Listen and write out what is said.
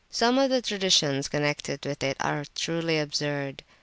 Some of the traditions connected with it are truly absurd.